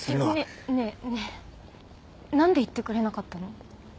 ねえねえなんで言ってくれなかったの？